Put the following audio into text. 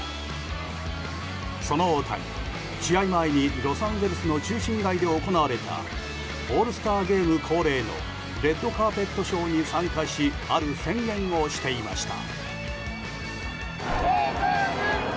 その大谷、試合前にロサンゼルスの中心街で行われたオールスターゲーム恒例のレッドカーペットショーに参加しある宣言をしていました。